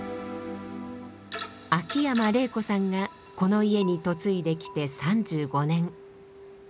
秋山玲子さんがこの家に嫁いできて３５年。